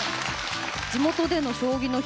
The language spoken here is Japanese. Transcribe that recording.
地元での「将棋の日」